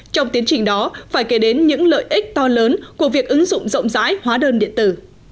trong tiến trình đó phải kể đến những lợi ích to lớn của việc ứng dụng rộng rãi hóa đơn điện tử